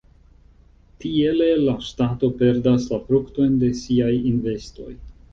Tiele la ŝtato perdas la fruktojn de siaj investoj.